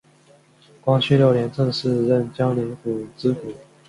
光绪六年正式任江宁府知府。